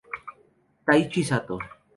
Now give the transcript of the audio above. Taichi Sato